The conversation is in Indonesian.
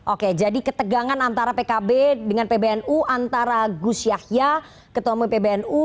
oke jadi ketegangan antara pkb dengan pbnu antara gus yahya ketua umum pbnu